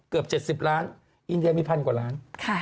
เกือบ๗๐ล้านอินเดียมีพันกว่าล้าน